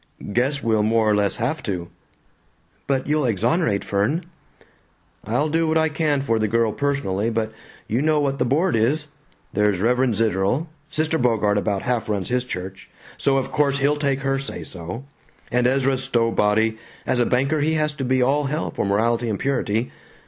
"Guess we'll more or less have to." "But you'll exonerate Fern?" "I'll do what I can for the girl personally, but you know what the board is. There's Reverend Zitterel; Sister Bogart about half runs his church, so of course he'll take her say so; and Ezra Stowbody, as a banker he has to be all hell for morality and purity.